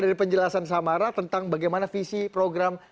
dari penjelasan samara tentang bagaimana visi program